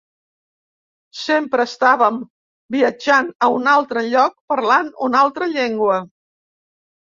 Sempre estàvem viatjant a un altre lloc, parlant una altra llengua.